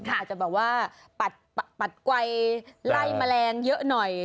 อาจจะแบบว่าปัดไกลไล่แมลงเยอะหน่อย